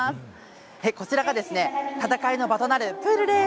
こちらが、戦いの場となるプールです。